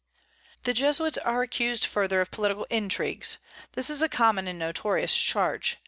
The Jesuits are accused further of political intrigues; this is a common and notorious charge.